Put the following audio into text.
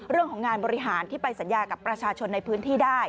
เรื่องของงานบริหารที่ไปสัญญากับประชาชนในพื้นที่ได้